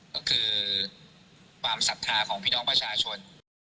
ก็คือความศรัทธาของพี่น้องประชาชน